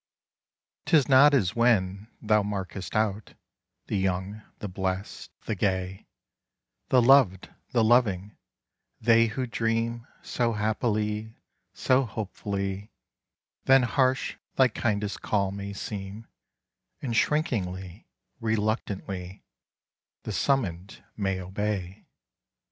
'Tis not as when thou markest outThe young, the blest, the gay, The loved, the loving—they who dreamSo happily, so hopefully; Then harsh thy kindest call may seem, And shrinkingly, reluctantly, The summoned may obey.